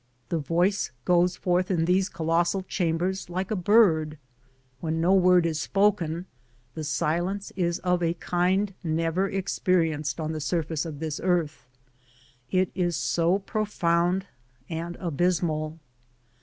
The voice goes forth in these colossal chambers like a bird. When no word is spoken, the silence is of a kind never experienced on the surface of the earth, it is so profound and abysmal.